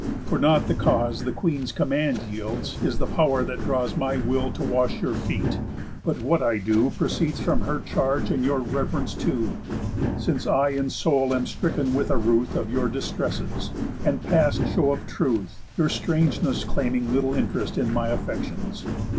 For not the cause The Queen's command yields is the pow'r that draws My will to wash your feet, but what I do Proceeds from her charge and your rev'rence too; Since I in soul am stricken with a ruth Of your distresses, and past show of truth; Your strangeness claiming little interest In my affections.